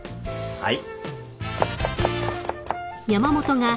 はい。